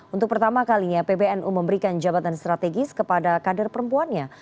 untuk pertama kalinya pbnu memberikan jabatan strategis kepada kader perempuannya